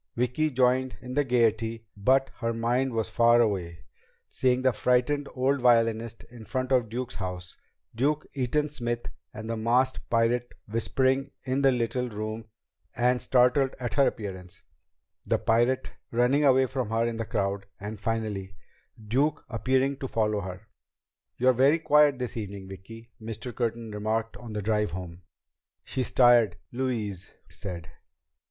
Vicki joined in the gaiety, but her mind was far away seeing the frightened old violinist in front of Duke's house; Duke, Eaton Smith, and the masked pirate whispering in the little room and startled at her appearance; the pirate running away from her in the crowd; and finally, Duke appearing to follow her. "You're very quiet this evening, Vicki," Mr. Curtin remarked on the drive home. "She's tired," Louise said.